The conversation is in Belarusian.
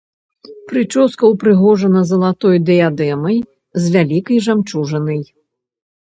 Прычоска ўпрыгожана залатой дыядэмай з вялікай жамчужынай.